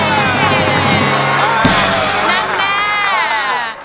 อินโทรเพลงที่๗มูลค่า๑แสนบาท